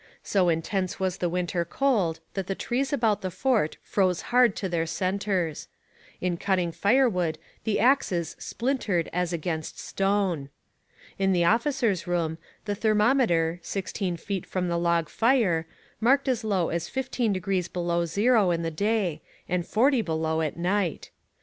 So intense was the winter cold that the trees about the fort froze hard to their centres. In cutting firewood the axes splintered as against stone. In the officers' room the thermometer, sixteen feet from the log fire, marked as low as fifteen degrees below zero in the day and forty below at night.